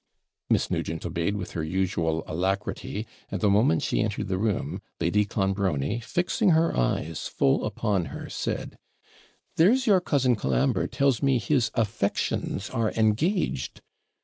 Miss Nugent obeyed with her usual alacrity; and the moment she entered the room, Lady Clonbrony, fixing her eyes full upon her, said 'There's your cousin Colambre tells me his affections are engaged.'